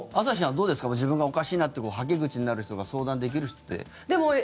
どうですか自分がおかしいなってはけ口になる人とか相談できる人って。